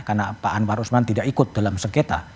karena pak anwar usman tidak ikut dalam sekita